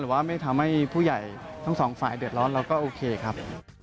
ว่าไม่ทำให้ผู้ใหญ่ทั้งสองฝ่ายเดือดร้อนเราก็โอเคครับ